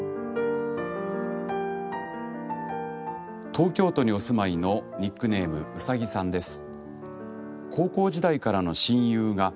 東京都にお住まいのニックネームうさぎさんです。